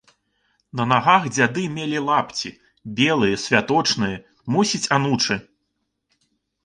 На нагах дзяды мелі лапці, белыя, святочныя, мусіць, анучы.